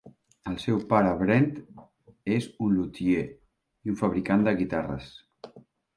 El seu pare, Brent, és un lutier i un fabricant de guitarres.